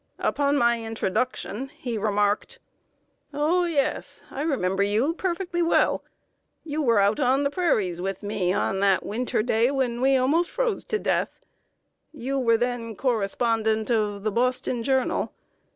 Upon my introduction, he remarked: "Oh, yes, I remember you perfectly well: you were out on the prairies with me on that winter day when we almost froze to death; you were then correspondent of The Boston Journal.